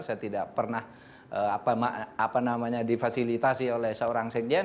saya tidak pernah difasilitasi oleh seorang sekjen